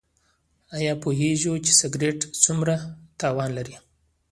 ایا پوهیږئ چې سګرټ څومره زیان لري؟